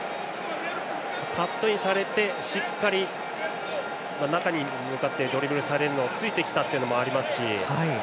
カットインされてしっかり中に向かってドリブルされるのについてきたのもありますし。